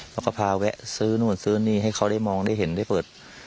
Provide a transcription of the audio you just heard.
เขาก็พาแวะซื้อนู่นซื้อนี่ให้เขาได้มองได้เห็นได้เปิด